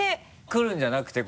来るんじゃなくて？